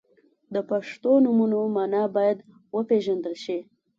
• د پښتو نومونو مانا باید وپیژندل شي.